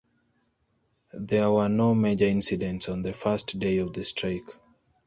There were no major incidents on the first day of the strike.